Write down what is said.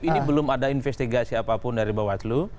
ini belum ada investigasi apapun dari bawah selu